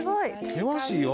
険しいよ